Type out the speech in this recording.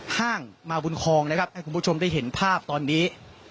ห้างมาบุญคองนะครับให้คุณผู้ชมได้เห็นภาพตอนนี้